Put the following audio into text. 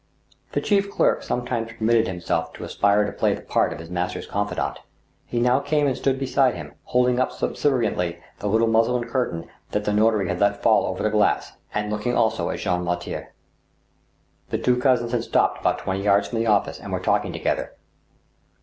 The chief clerk sometimes permitted himself to aspire to play the part of his master's confidant. He now came and stood beside him, holding up subserviently the little muslin curtain that the notary had let fall over the glass, and looking also at Jean Mortier. The two cousins had stopped about twenty yards from the office, and were talking together.